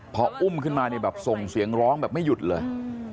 พออุ้มขึ้นมาเนี่ยแบบส่งเสียงร้องแบบไม่หยุดเลย